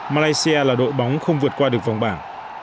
malaysia là đội bóng không vượt qua được vòng bảng